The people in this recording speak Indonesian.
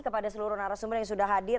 kepada seluruh narasumber yang sudah hadir